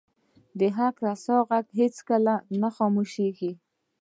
د حق رسا ږغ هیڅکله نه خاموش کیږي